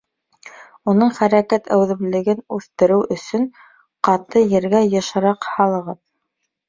Уның хәрәкәт әүҙемлеген үҫтереү өсөн, ҡаты ергә йышыраҡ һалығыҙ.